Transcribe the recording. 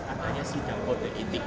adanya sidang kode etik